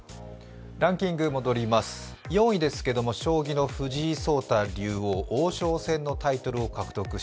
ランキング戻ります、４位、将棋の藤井聡太竜王、王将戦のタイトルを獲得。